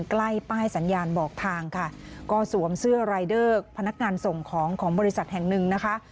ใกล้ป้ายสัญญาณบอกทางค่ะก็สวมเสื้อรายเดอร์พนักงานส่งของของบริษัทแห่งหนึ่งนะคะ